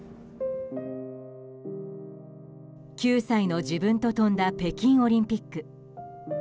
９歳の自分と跳んだ北京オリンピック。